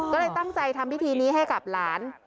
ก็เลยตั้งใจทำพิธีนี้ให้กับหลาน